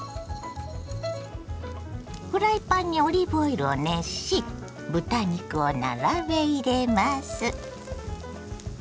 フライパンにオリーブオイルを熱し豚肉を並べ入れます。